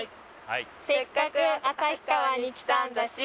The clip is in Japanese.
「せっかく旭川に来たんだし」